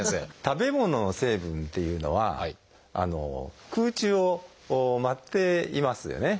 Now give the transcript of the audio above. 食べ物の成分っていうのは空中を舞っていますよね。